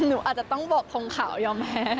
ไหนหนูอาจจะต้องบอกทังข่าวอ่อนแน่